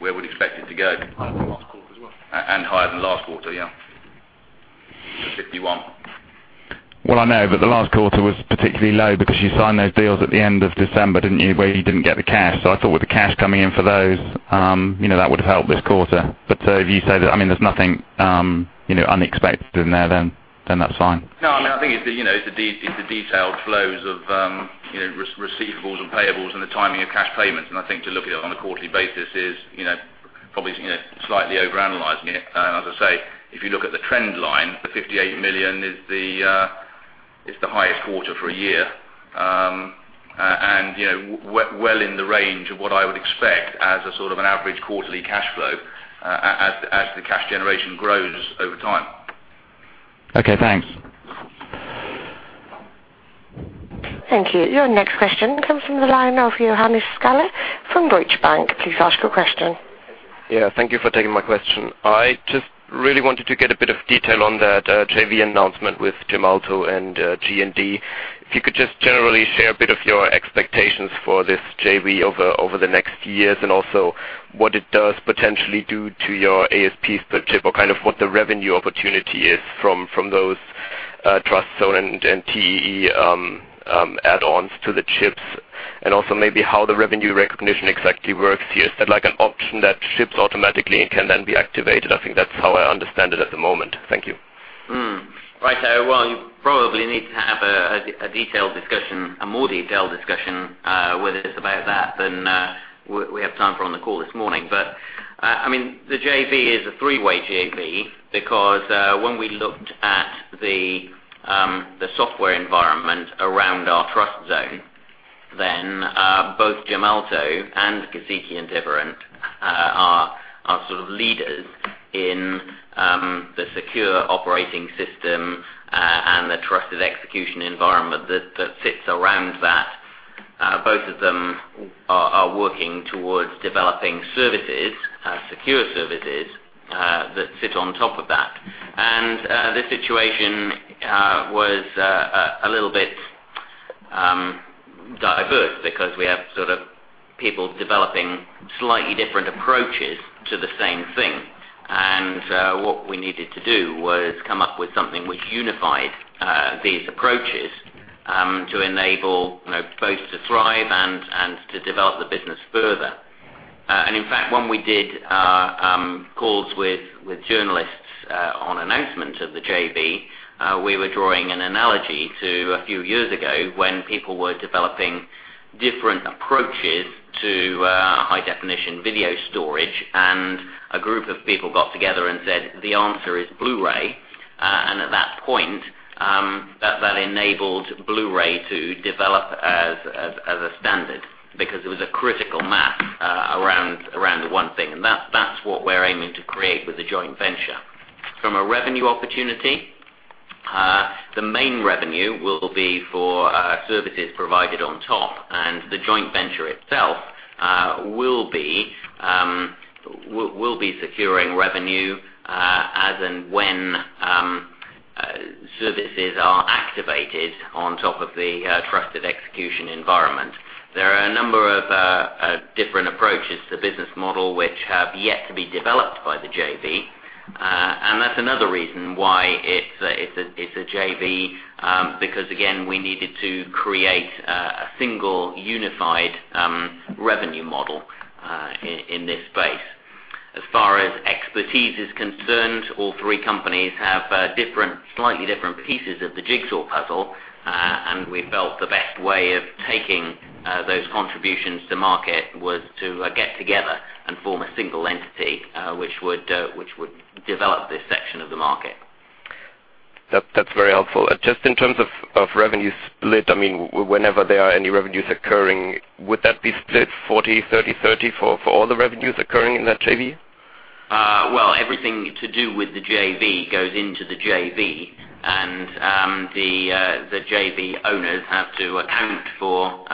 where we'd expect it to go. Last quarter as well. And higher than last quarter, yeah, for Q1. I know, the last quarter was particularly low because you signed those deals at the end of December, didn't you, where you didn't get the cash? I thought with the cash coming in for those, that would have helped this quarter. If you say that there's nothing unexpected in there, then that's fine. No, I mean, I think it's the detailed flows of receivables and payables and the timing of cash payments. I think to look at it on a quarterly basis is probably slightly overanalyzing it. If you look at the trend line, the 58 million is the highest quarter for a year, and you know, in the range of what I would expect as a sort of an average quarterly cash flow as the cash generation grows over time. Okay, thanks. Thank you. Your next question comes from the line of Johannes Schaller from Deutsche Bank. Please ask your question. Yeah, thank you for taking my question. I just really wanted to get a bit of detail on that JV announcement with Gemalto and G&D. If you could just generally share a bit of your expectations for this JV over the next years and also what it does potentially do to your ASPs per chip or kind of what the revenue opportunity is from those TrustZone and TEE add-ons to the chips. Also, maybe how the revenue recognition exactly works here. Is that like an option that ships automatically and can then be activated? I think that's how I understand it at the moment. Thank you. You probably need to have a more detailed discussion with us about that than we have time for on the call this morning. The JV is a three-way JV because when we looked at the software environment around our TrustZone, then both Gemalto and Giesecke & Devrient are sort of leaders in the secure operating system and the Trusted Execution Environment that sits around that. Both of them are working towards developing secure services that sit on top of that. The situation was a little bit diverse because we have sort of people developing slightly different approaches to the same thing. What we needed to do was come up with something which unified these approaches to enable both to thrive and to develop the business further. In fact, when we did calls with journalists on announcements of the JV, we were drawing an analogy to a few years ago when people were developing different approaches to high-definition video storage. A group of people got together and said, "The answer is Blu-ray." At that point, that enabled Blu-ray to develop as a standard because it was a critical mass around one thing. That is what we're aiming to create with a joint venture. From a revenue opportunity, the main revenue will be for services provided on top. The joint venture itself will be securing revenue as and when services are activated on top of the Trusted Execution Environment. There are a number of different approaches to the business model which have yet to be developed by the JV. That is another reason why it's a JV because, again, we needed to create a single unified revenue model in this space. As far as expertise is concerned, all three companies have slightly different pieces of the jigsaw puzzle. We felt the best way of taking those contributions to market was to get together and form a single entity which would develop this section of the market. That's very helpful. In terms of revenue split, whenever there are any revenues occurring, would that be split 40-30-30 for all the revenues occurring in that JV? Everything to do with the JV goes into the JV. The JV owners have to account for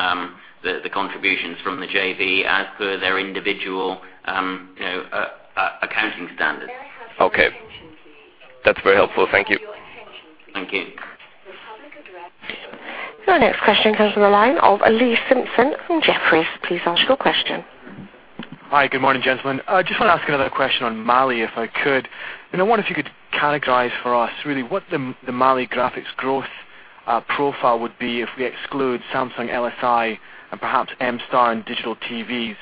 the contributions from the JV as per their individual accounting standards. Okay, that's very helpful. Thank you. Thank you. Your next question comes from the line of Lee Simpson from Jefferies. Please ask your question. Hi, good morning, gentlemen. I just want to ask another question on Mali if I could. I wonder if you could categorize for us really what the Mali graphics growth profile would be if we exclude Samsung LSI and perhaps Mstar and digital TVs.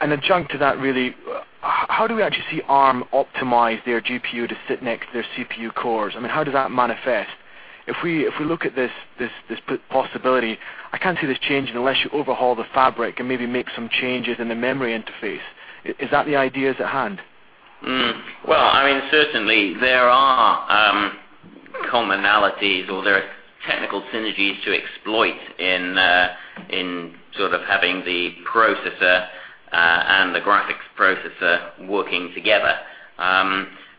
Adjunct to that really, how do we actually see Arm optimize their GPU to sit next to their CPU cores? I mean, how does that manifest? If we look at this possibility, I can't see this changing unless you overhaul the fabric and maybe make some changes in the memory interface. Is that the idea at hand? Certainly, there are commonalities or there are technical synergies to exploit in sort of having the processor and the graphics processor working together,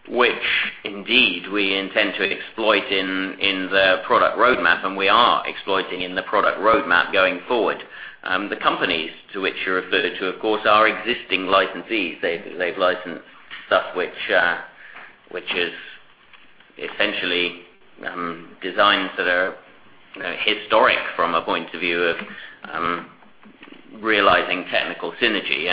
which indeed we intend to exploit in the product roadmap. We are exploiting in the product roadmap going forward. The companies to which you're referred to, of course, are existing licensees. They've licensed stuff which is essentially designed so they're historic from a point of view of realizing technical synergy.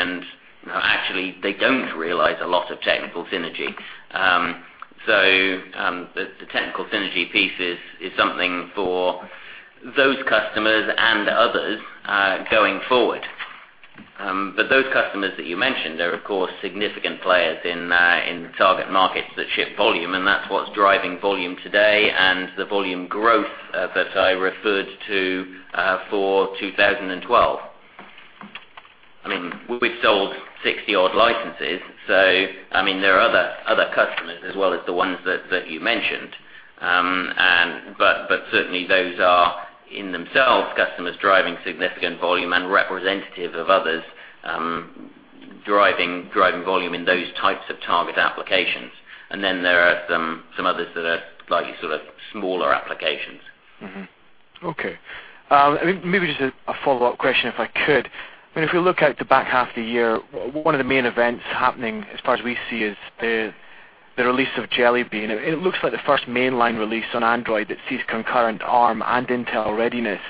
Actually, they don't realize a lot of technical synergy. The technical synergy piece is something for those customers and others going forward. Those customers that you mentioned, they're, of course, significant players in the target markets that shift volume. That's what's driving volume today and the volume growth that I referred to for 2012. We've sold 60-odd licenses. There are other customers as well as the ones that you mentioned. Certainly, those are in themselves customers driving significant volume and representative of others driving volume in those types of target applications. There are some others that are slightly sort of smaller applications. Okay. Maybe just a follow-up question if I could. I mean, if we look at the back half of the year, one of the main events happening as far as we see is the release of Jelly Bean. It looks like the first mainline release on Android that sees concurrent Arm and Intel readiness.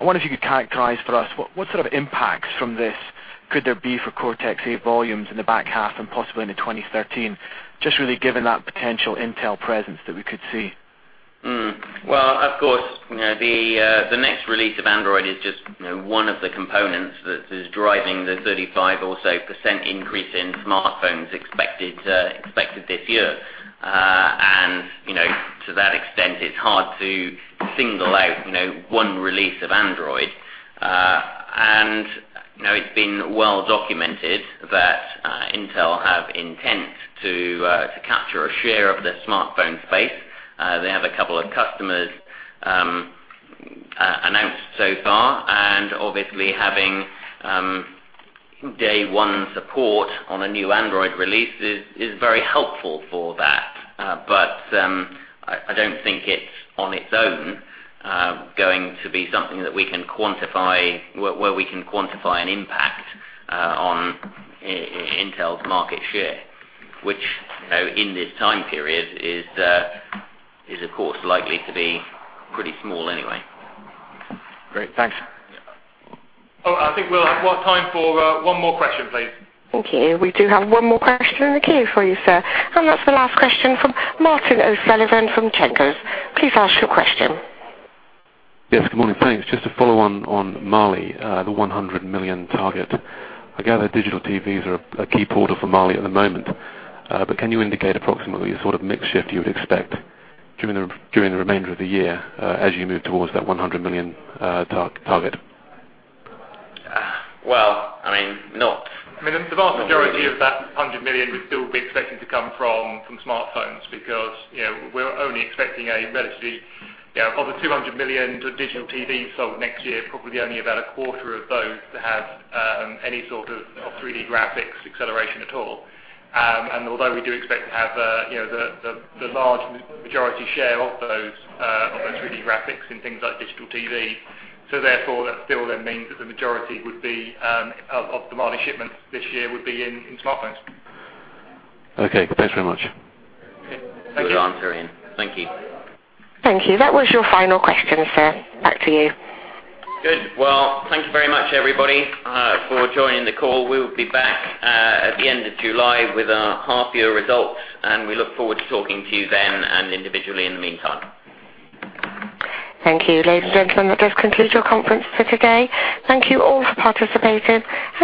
I wonder if you could characterize for us what sort of impacts from this could there be for Cortex-A volumes in the back half and possibly into 2013, just really given that potential Intel presence that we could see? Of course, the next release of Android is just one of the components that is driving the 35% or so increase in smartphones expected this year. To that extent, it's hard to single out one release of Android. It's been well documented that Intel has intent to capture a share of the smartphone space. They have a couple of customers announced so far. Obviously, having day one support on a new Android release is very helpful for that. I don't think it's on its own going to be something that we can quantify where we can quantify an impact on Intel's market share, which in this time period is, of course, likely to be pretty small anyway. Great, thanks. Yeah, I think we'll have time for one more question, please. Thank you. We do have one more question in the queue for you, sir. That's the last question from Martin O'Sullivan from Cenkos. Please ask your question. Yes, good morning. Thanks. Just to follow on Mali, the 100 million target, I gather digital TVs are a key portal for Mali at the moment. Can you indicate approximately the sort of mix shift you would expect during the remainder of the year as you move towards that 100 million target? I mean, not. The vast majority of that 100 million would still be expecting to come from smartphones because we're only expecting a relatively of the 200 million digital TVs sold next year, probably only about a quarter of those to have any sort of 3D graphics acceleration at all. Although we do expect to have the large majority share of those of the 3D graphics in things like digital TV, that still then means that the majority of the Mali shipments this year would be in smartphones. Okay, thanks very much. Thank you. Thank you. That was your final question, sir. Back to you. Good. Thank you very much, everybody, for joining the call. We'll be back at the end of July with our half-year results. We look forward to talking to you then and individually in the meantime. Thank you, ladies and gentlemen. That does conclude your conference for today. Thank you all for participating.